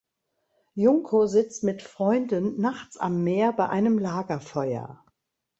Junko sitzt mit Freunden nachts am Meer bei einem Lagerfeuer.